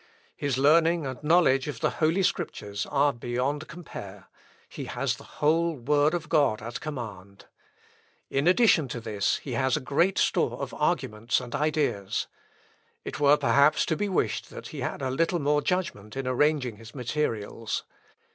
His learning and knowledge of the Holy Scriptures are beyond compare: he has the whole word of God at command. In addition to this he has great store of arguments and ideas. It were perhaps to be wished that he had a little more judgment in arranging his materials.